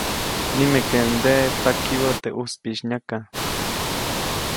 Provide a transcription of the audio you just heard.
Nimekeʼuŋdeʼe pakibä teʼ ʼuspiʼis nyaka.